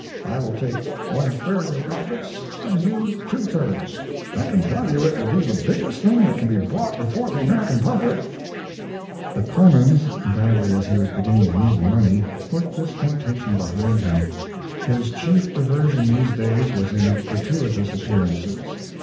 I will take one third of the profits and you two thirds. I can tell you it will be the biggest thing that can be brought before the American public. But Clemens, badly as he was beginning to need the money, put this temptation behind him. His chief diversion these days was in gratuitous appearances.